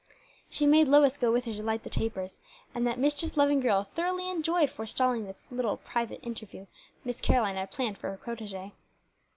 She made Lois go with her to light the tapers, and that mischief loving girl thoroughly enjoyed forestalling the little private interview Miss Caroline had planned for her protege.